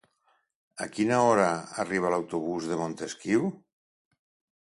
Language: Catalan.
A quina hora arriba l'autobús de Montesquiu?